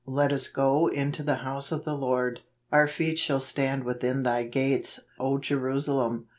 Let us go into the house of the Lord. Our feet shall stand within thy gates, O Jeru¬ salem.